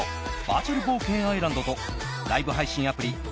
バーチャル冒険アイランドとライブ配信アプリ